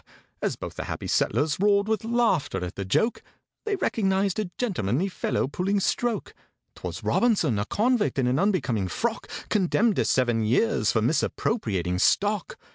As both the happy settlers roared with laughter at the joke, They recognized a gentlemanly fellow pulling stroke: 'Twas ROBINSON—a convict, in an unbecoming frock! Condemned to seven years for misappropriating stock!!!